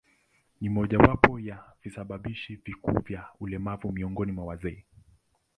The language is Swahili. Ni mojawapo ya visababishi vikuu vya ulemavu miongoni mwa wazee.